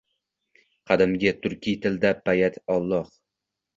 Qadimgi turkiy tilda bayat-olloh.